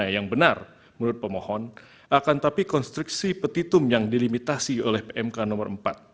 yang benar menurut pemohon akan tapi konstruksi petitum yang dilimitasi oleh pmk nomor empat